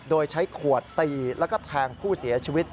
โดยใช้ขวดตีแล้วก็แทงผู้เสียชีวิต